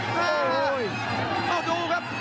โอ้โหโอ้โหโอ้วดูครับ